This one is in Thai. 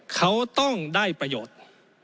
เขาต้องได้ประโยชน์